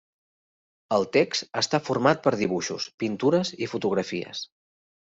El text està format per dibuixos, pintures i fotografies.